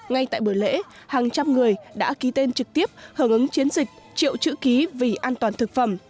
ngay tại buổi lễ hàng trăm người đã ký tên trực tiếp hưởng ứng chiến dịch triệu chữ ký vì an toàn thực phẩm